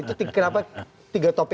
itu kenapa tiga topik